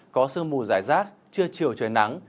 có sương mùi rải rác chưa chiều trời nắng